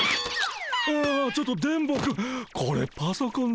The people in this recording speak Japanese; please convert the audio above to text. ああちょっと電ボくん